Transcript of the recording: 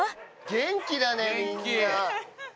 元気だね、みんな。